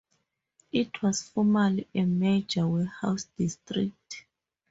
It was formerly a major warehouse district.